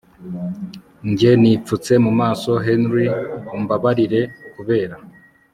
Njye nipfutse mu maso Henry umbabarire kubera